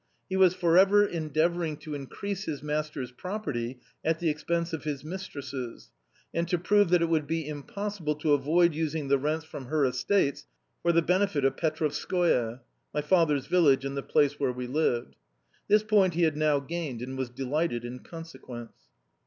He was forever endeavouring to increase his master's property at the expense of his mistress's, and to prove that it would be impossible to avoid using the rents from her estates for the benefit of Petrovskoe (my father's village, and the place where we lived). This point he had now gained and was delighted in consequence.